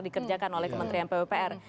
dikerjakan oleh kementerian pwpr